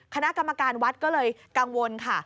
คณะกรรมการวัดก็เลยกังวลค่ะ